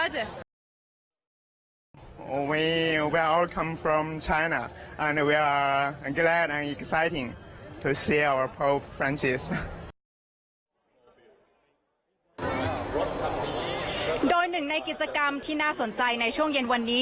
โดยหนึ่งในกิจกรรมที่น่าสนใจในช่วงเย็นวันนี้